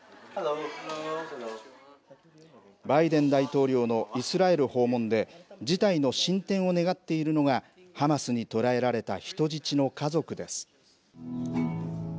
バイデン大統領のイスラエル訪問で、事態の進展を願っているのが、ハマスに捕らえられた人質の家族です。